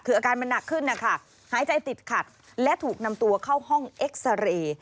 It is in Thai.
คืออาการมันหนักขึ้นนะคะหายใจติดขัดและถูกนำตัวเข้าห้องเอ็กซาเรย์